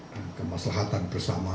dan kemaslahatan bersama